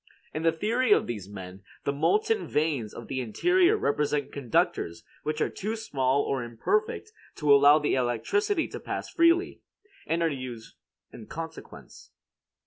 In the theory of these men, the molten veins of the interior represent conductors which are too small or imperfect to allow the electricity to pass freely, and are fused in consequence.